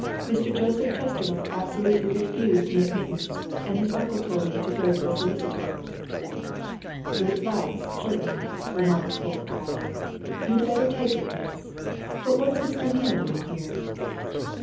"Mr. Joseph Chestermarke absolutely refused me admittance, and his uncle told me to go to a solicitor." "Good advice, certainly," remarked Polke drily. "You'd better take it, miss. But what's Mr. Neale doing here?"